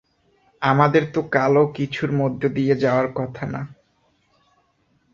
আমাদের তো কালো কিছুর মধ্য দিয়ে যাওয়ার কথা না?